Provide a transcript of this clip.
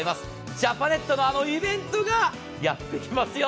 ジャパネットのあのイベントがやってきますよ。